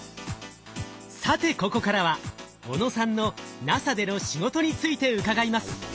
さてここからは小野さんのＮＡＳＡでの仕事について伺います。